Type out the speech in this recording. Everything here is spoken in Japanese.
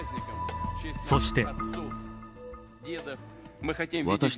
そして。